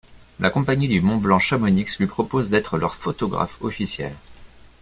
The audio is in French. La Compagnie du Mont-Blanc Chamonix lui propose d’être leur photographe officielle.